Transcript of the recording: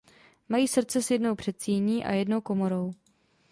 Mají srdce s jednou předsíní a jednou komorou.